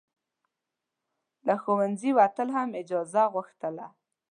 له ښوونځي وتل هم اجازه غوښتله.